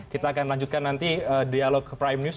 kita akan lanjutkan nanti dialog ke prime news